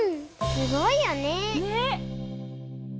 すごいよね。ね。